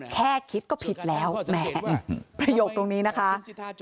แค่คิดก็ผิดแล้วแหมประโยคตรงนี้นะคะ